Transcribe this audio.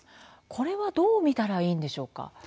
これは、どう見たらいいんでしょうか。